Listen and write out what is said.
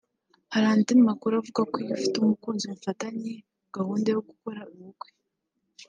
Hari andi makuru avuga ko iyo ufite umukunzi mufitanye gahunda yo gukora ubukwe